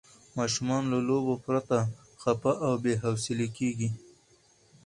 ماشومان له لوبو پرته خفه او بې حوصله کېږي.